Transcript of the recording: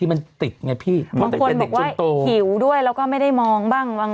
บางคนหิวด้วยเนี่ยไม่ได้มองบ้าง